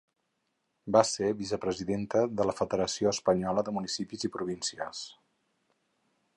Va ser vicepresidenta de la Federació Espanyola de Municipis i Províncies.